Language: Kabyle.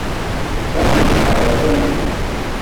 Netta inehheṛ akamyun.